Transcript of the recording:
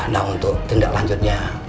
nah untuk tindak lanjutnya